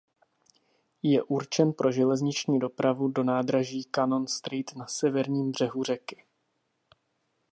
Je určen pro železniční dopravu do nádraží Canon Street na severním břehu řeky.